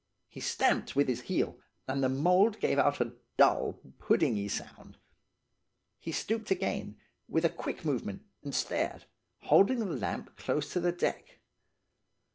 He stamped with his heel, and the mould gave out a dull, puddingy sound. He stooped again, with a quick movement, and stared, holding the lamp close to the deck.